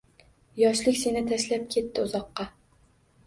Yoshlik seni tashlab ketdi uzoqqa